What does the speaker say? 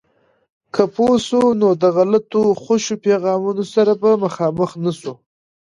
که پوه سو، نو د غلطو خوشو پیغامونو سره به مخامخ نسو.